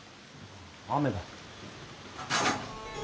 雨だ。